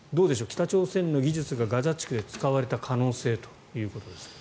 北朝鮮の技術が、ガザ地区で使われた可能性というのは。